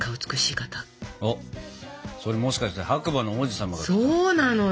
それもしかして白馬の王子様が来たの？